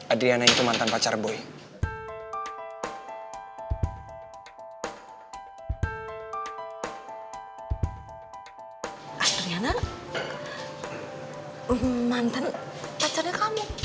adriana mantan pacarnya kamu